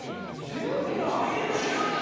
１０位！